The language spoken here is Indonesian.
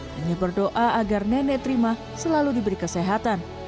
hanya berdoa agar nenek terima selalu diberi kesehatan